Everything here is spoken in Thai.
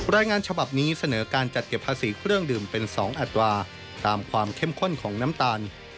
รายงานฉบับนี้เสนอการจัดเก็บภาษีเครื่องดื่มเป็น๒อัตราตามความเข้มข้นของน้ำตาล